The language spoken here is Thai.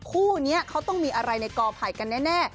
คู่นี้เขาต้องมีอะไรในกอไผ่กันแน่